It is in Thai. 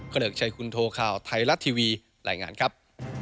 ขนเติบใช้คุณโทรค่าวไทยรัตน์ทีวีแหล่งงานครับ